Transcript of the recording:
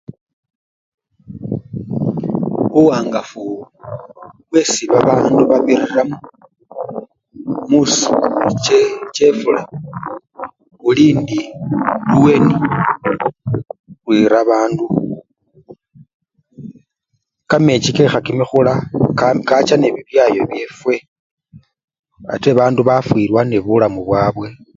Buwangafu bwesi babandu babiriramo musiku che chefula bulindi luweni lwira bandu, kamechi kekha kimikhula kacha nebibyayo byefwe ate bandu bafwilwa nebulamu bwabwe.